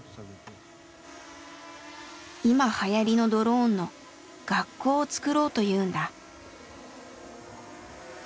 今はやりのドローンの学校を作ろうというんだ。